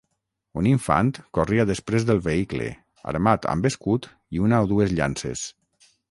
Un infant corria després del vehicle, armat amb escut i una o dues llances.